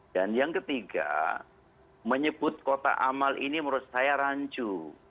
dan yang ketiga menyebut kotak amal ini menurut saya rancu